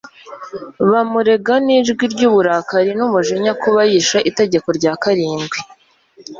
bamurega n'ijwi ry'uburakari n'umujinya kuba yishe itegeko rya karindwi.